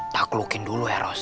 tidak bisa mengejar dulu ros